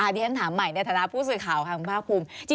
ที่ฉันถามใหม่ในฐานะผู้สื่อข่าวค่ะคุณภาคภูมิ